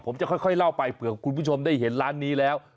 ผมจะค่อยเล่าไปเผื่อคุณผู้ชมได้เห็นร้านนี้แล้ว